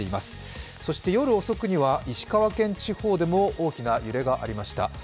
そして夜遅くには石川県地方でも大きな揺れがありました。